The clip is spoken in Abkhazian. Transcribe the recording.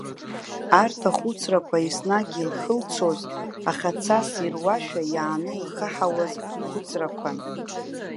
Арҭ ахәыцрақәа еснагь илхылцоз, аха, цас ируашәа, иааны илхаҳауаз хәыцрақәан.